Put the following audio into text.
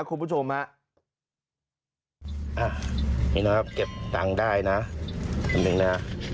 คุณผู้ชมฮะอ่านี่นะครับเก็บตังค์ได้นะอันหนึ่งนะฮะ